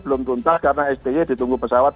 belum tuntas karena sti ditunggu pesawat